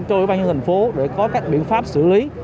cho ủy ban nhân thành phố để có các biện pháp xử lý